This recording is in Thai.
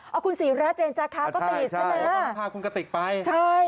เอาคุณศรีราเจนจาคะก็ติดใช่ไหมพาคุณกติกไปใช่